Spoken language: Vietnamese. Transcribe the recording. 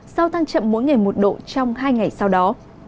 sau tăng chậm mỗi ngày một độ trong hai ngày sau đó